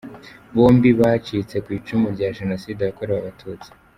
Bombi bacitse ku icumu rya Jenoside yakorewe Abatutsi.